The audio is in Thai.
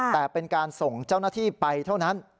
แต่เป็นการส่งเจ้าหน้าที่ไปเท่านั้น